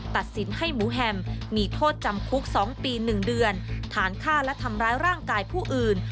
ตัดสินให้หมูแฮมมีโทษจำคุก๒ปี๑เดือนฐานฆ่าและทำร้ายร่างกายผู้อื่น